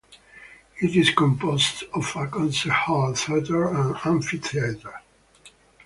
It is composed of a concert hall, theater, and amphitheatre.